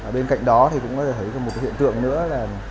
bên cạnh đó cũng có thể thấy một hiện tượng nữa là